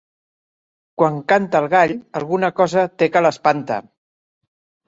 Quan canta el gall, alguna cosa té que l'espanta.